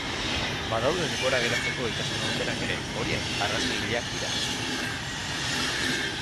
Badaude denbora geratzeko gaitasuna dutenak ere, horiek argazkigileak dira.